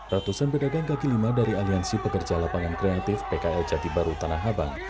ratusan pedagang kaki lima dari aliansi pekerja lapangan kreatif pkl jati baru tanah abang